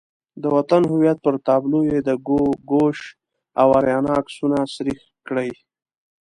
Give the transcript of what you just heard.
د وطن هویت پر تابلو یې د ګوګوش او آریانا عکسونه سریښ کړي.